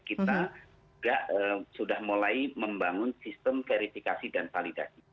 kita juga sudah mulai membangun sistem verifikasi dan validasi